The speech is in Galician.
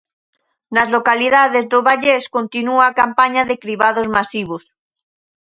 Nas localidades do Vallés continúa a campaña de cribados masivos.